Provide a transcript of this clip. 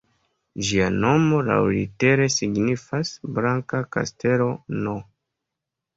Ĝia nomo laŭlitere signifas "Blanka Kastelo"-n.